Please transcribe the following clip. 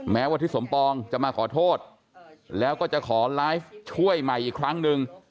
แม้ว่าทิศสมปองจะมาขอโทษแล้วก็จะขอไลฟ์ช่วยใหม่อีกครั้งหนึ่ง